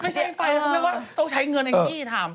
ไม่ใช่ไฟคุณแม่ว่าต้องใช้เงินอย่างนี้ถาม